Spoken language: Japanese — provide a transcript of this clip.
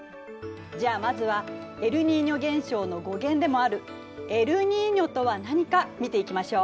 じゃあまずはエルニーニョ現象の語源でもあるエルニーニョとは何か見ていきましょう。